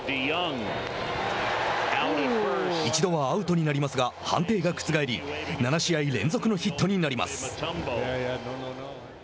一度はアウトになりますが判定が覆り７試合連続のヒットになります。